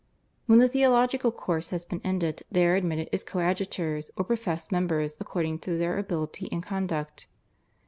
When the theological course has been ended they are admitted as coadjutors or professed members according to their ability and conduct.